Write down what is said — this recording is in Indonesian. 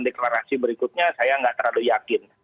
deklarasi berikutnya saya nggak terlalu yakin